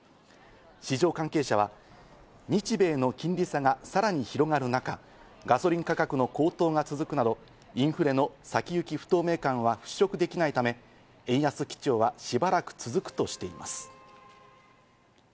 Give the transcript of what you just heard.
市場関係者は日米の金利差がさらに広がる中、ガソリン価格の高騰が続くなど、インフレの先行き不透明感は払拭できないため、円安基調はしばらく続くとしています。